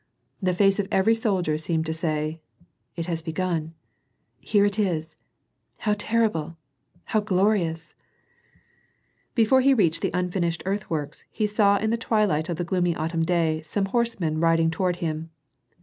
The face of every soldier seemed to say, It has begun I Hert it is! How terrible \ How glorious I Before he reached the unfinished earthworks, he saw in the twilight of the gloomy autumn day, some horsemen riding toward him.